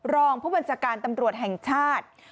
รองผู้บัญชาการตำรวจแห่งชาติ